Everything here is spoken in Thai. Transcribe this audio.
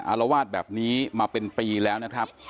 อารวาสแบบนี้มาเป็นปีแล้วนะครับ